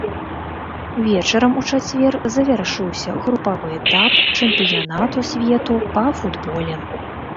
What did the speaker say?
Вечарам у чацвер завяршыўся групавы этап чэмпіянату свету па футболе.